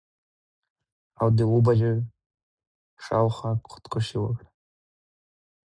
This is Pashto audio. او د اووه بجو شا او خوا خودکشي وکړه.